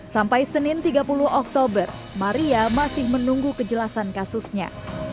sampai senin tiga puluh oktober maria masih menunggu kejelasan kasusnya